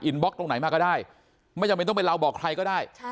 บล็อกตรงไหนมาก็ได้ไม่จำเป็นต้องไปเล่าบอกใครก็ได้